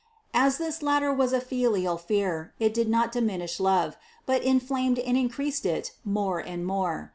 As this latter was a filial fear, it did not diminish love, but inflamed and increased it more and more.